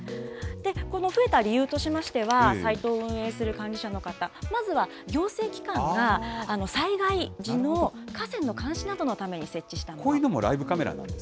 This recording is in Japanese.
この増えた理由としましては、サイトを運営する管理者の方、まずは行政機関が災害時の河川の監視などのために設置したものなんです。